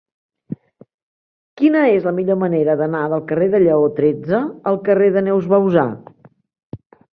Quina és la millor manera d'anar del carrer de Lleó tretze al carrer de Neus Bouzá?